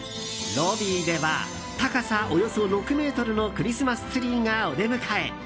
ロビーでは、高さおよそ６ｍのクリスマスツリーがお出迎え！